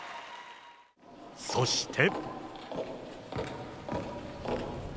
そして。